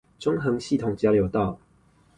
中橫系統交流道